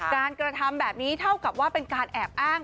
การกระทำแบบนี้เท่ากับว่าเป็นการแอบอ้าง